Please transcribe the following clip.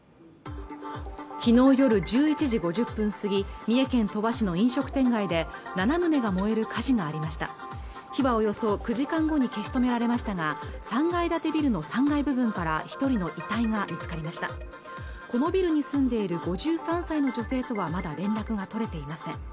昨日夜１１時５０分過ぎ三重県鳥羽市の飲食店街で七棟が燃える火事がありました火はおよそ９時間後に消し止められましたが３階建てビルの３階部分から一人の遺体が見つかりましたこのビルに住んでいる５３歳の女性とはまだ連絡が取れていません